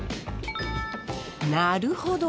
なるほど。